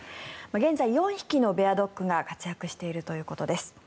現在、４匹のベアドッグが活躍しているということです。